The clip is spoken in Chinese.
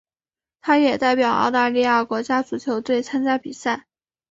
他也代表澳大利亚国家足球队参加比赛。